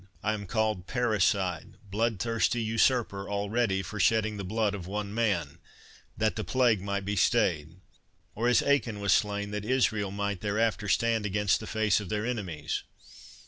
I am called Parricide, Blood thirsty Usurper, already, for shedding the blood of one man, that the plague might be stayed—or as Achan was slain that Israel might thereafter stand against the face of their enemies.